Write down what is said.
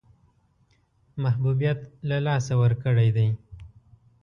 محبوبیت له لاسه ورکړی دی.